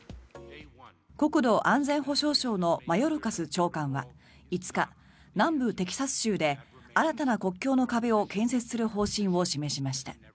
国土安全保障省のマヨルカス長官は５日南部テキサス州で新たな国境の壁を建設する方針を示しました。